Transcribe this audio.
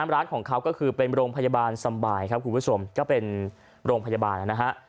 ร้านของเขาก็คือเป็นโรงพยาบาลสบายครับคุณผู้ชมก็เป็นโรงพยาบาลนะฮะ